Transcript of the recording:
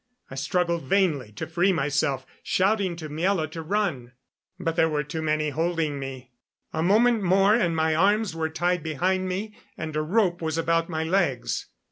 I struggled vainly to free myself, shouting to Miela to run. But there were too many holding me. A moment more and my arms were tied behind me and a rope was about my legs.